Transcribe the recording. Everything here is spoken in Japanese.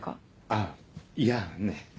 あっいやね。